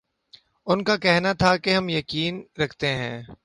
ان کا کہنا تھا کہ ہم یقین رکھتے ہیں